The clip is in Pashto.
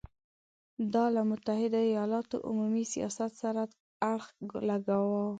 دا له متحدو ایالتونو عمومي سیاست سره اړخ لګاوه.